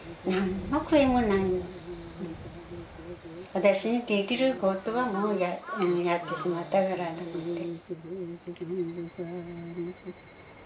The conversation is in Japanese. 私にできることはもうやってしまったからと思って。